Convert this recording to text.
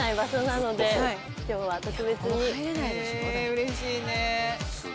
うれしいね。